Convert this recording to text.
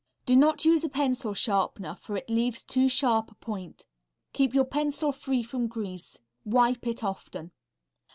Do not use a pencil sharpener, for it leaves too sharp a point. Keep your pencil free from grease. Wipe it often.